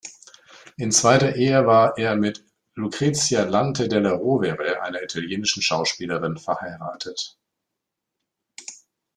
In zweiter Ehe war er mit Lucrezia Lante della Rovere, einer italienischen Schauspielerin, verheiratet.